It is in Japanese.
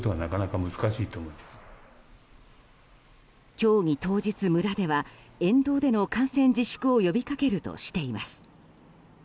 競技当日、村では沿道での観戦自粛を呼びかけるとしています。